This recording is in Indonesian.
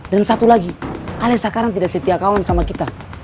dan satu lagi alec sekarang tidak setia kawan sama kita